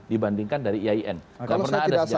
dibandingkan dari negara negara lain